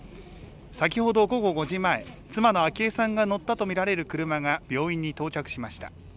先ほど午後５時前、妻の昭恵さんが乗ったと見られる車が病院に到着しました。